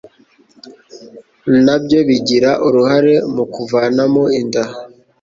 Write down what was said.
nabyo bigira uruhare mu kuvanamo inda